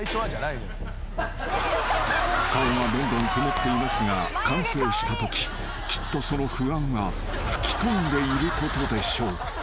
［顔がどんどん曇っていますが完成したとききっとその不安が吹き飛んでいることでしょう］